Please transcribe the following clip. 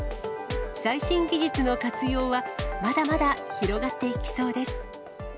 最新技術の活用は、まだまだ広がっていきそうです。